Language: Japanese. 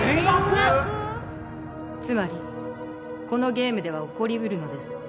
つまりこのゲームでは起こり得るのです。